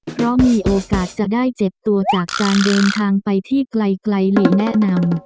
เพราะมีโอกาสจะได้เจ็บตัวจากการเดินทางไปที่ไกลเลยแนะนำ